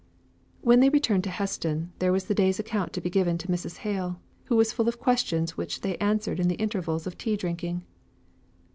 When they returned to Heston, there was the day's account to be given to Mrs. Hale, who was full of questions, which they answered in the intervals of tea drinking.